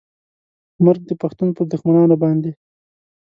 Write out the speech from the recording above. مرګ د پښتون پر دښمنانو باندې